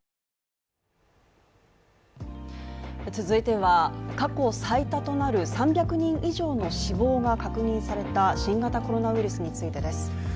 続いては過去最多となる３００人以上の死亡が確認された新型コロナウイルスについてです